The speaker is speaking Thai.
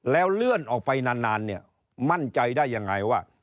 แล้วเลื่อนออกไปนานเนี่ยมั่นใจได้ยังไงว่า